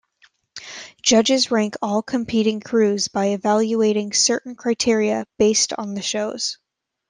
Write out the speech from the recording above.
Judges rank all competing crews by evaluating certain criteria based on the shows.